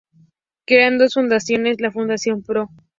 Crean dos fundaciones: la Fundación Pbro.